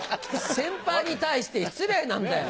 先輩に対して失礼なんだよ。